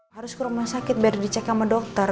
harus ke rumah sakit biar dicek sama dokter